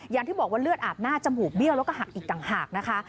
อย่างที่บอกว่าเลือดอาบหน้าจมูกเบี้ยวแล้วก็หักอีกต่างหากนะคะ